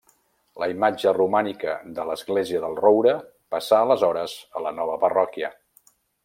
La imatge romànica de l'església del Roure passà aleshores a la nova parròquia.